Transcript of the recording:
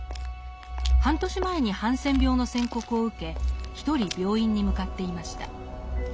半年前にハンセン病の宣告を受け一人病院に向かっていました。